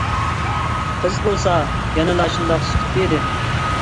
قىز بولسا يەنىلا شۇنداق سۈكۈتتە ئىدى.